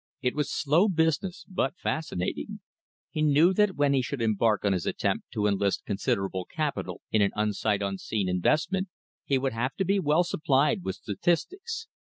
It was slow business, but fascinating. He knew that when he should embark on his attempt to enlist considerable capital in an "unsight unseen" investment, he would have to be well supplied with statistics.